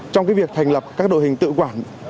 trong việc thành lập các đội hình tự quản